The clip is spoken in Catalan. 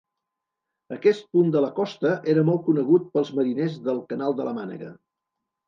Aquest punt de la costa era molt conegut pels mariners del canal de la Mànega.